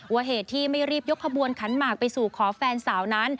เหตุที่ไม่รีบยกขบวนขันหมากไปสู่ขอแฟนสาวนั้น